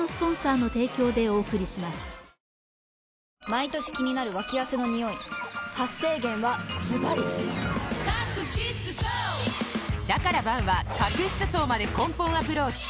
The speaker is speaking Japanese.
毎年気になるワキ汗のニオイ発生源はズバリだから「Ｂａｎ」は角質層まで根本アプローチ！